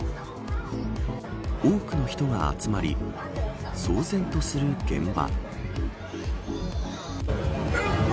多くの人が集まり騒然とする現場。